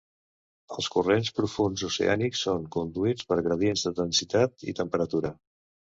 Els corrents profunds oceànics són conduïts pels gradients de densitat i temperatura.